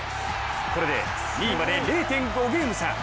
これで、２位まで０．５ゲーム差。